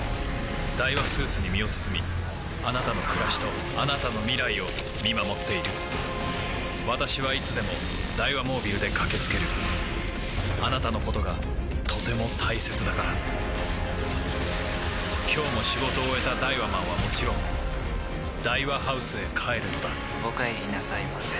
ダイワスーツに身を包みあなたの暮らしとあなたの未来を見守っている私はいつでもダイワモービルで駆け付けるあなたのことがとても大切だから今日も仕事を終えたダイワマンはもちろんダイワハウスへ帰るのだお帰りなさいませ。